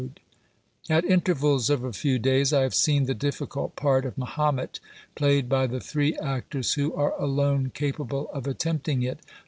loo OBERMANN At intervals of a few days I have seen the difficult part of Mahomet played by the three actors who are alone capable of attempting it.